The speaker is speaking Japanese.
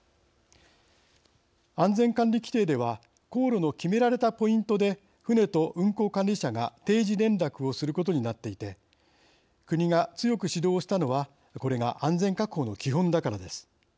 安全管理規程では航路の決められたポイントで船と運航管理者が定時連絡をすることになっていて国が強く指導をしたのはこれが安全確保の基本だからです。